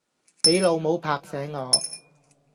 俾老母拍醒我